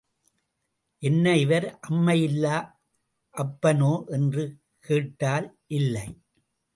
என்ன இவர் அம்மை இல்லா அப்பனோ என்று கேட்டால், இல்லை.